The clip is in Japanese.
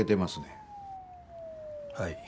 はい。